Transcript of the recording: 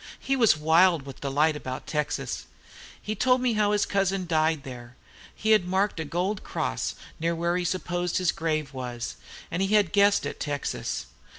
He was wild with delight about Texas, told me how his cousin died there; he had marked a gold cross near where he supposed his grave was; and he had guessed at Texas.